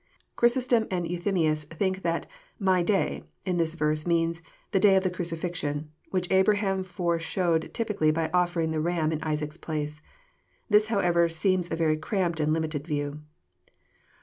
Chrysostom and Enthymius think that " My day," in this Terse, means " the day of the crucifixion, which Abraham fore showed typically by offering the ram in Isaac's place." This however seems a very cramped and limited view.